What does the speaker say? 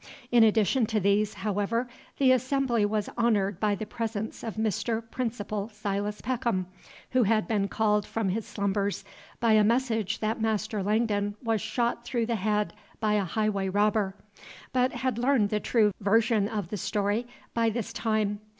In addition to these, however, the assembly was honored by the presence of Mr. Principal Silas Peckham, who had been called from his slumbers by a message that Master Langdon was shot through the head by a highway robber, but had learned a true version of the story by this time.